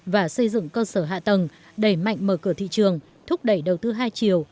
và xây dựng cơ sở hạ tầng đẩy mạnh mở cửa thị trường thúc đẩy đầu tư hai chiều